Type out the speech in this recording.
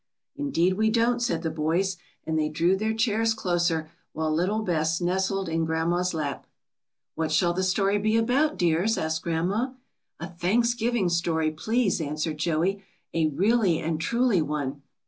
"Indeed we don't," said the boys, and they drew their chairs closer, while little Bess nes tled in grandma's lap. GRANDMA'S THANKSGIVING STORY. 75 ^What shall the story be about, dears?^^ asked grandma. Thanksgiving story, please,'' answered Joey, ^^a really and truly one."